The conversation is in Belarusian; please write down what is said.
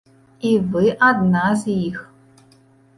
І вы адна з іх.